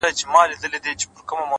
ليري له بلا سومه _چي ستا سومه _